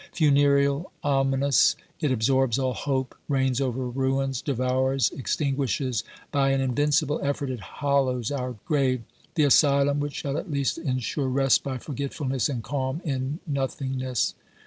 Funereal, ominous, it absorbs all hope, reigns over ruins, devours, extinguishes ; by an invincible effort it hollows our grave, the asylum which shall at least ensure rest by forgetfulness and calm in nothingness.